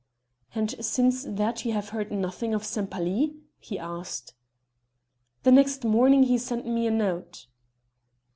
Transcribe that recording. "And since that you have heard nothing of Sempaly?" he asked. "The next morning he sent me a note."